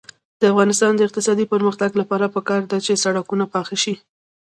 د افغانستان د اقتصادي پرمختګ لپاره پکار ده چې سړکونه پاخه شي.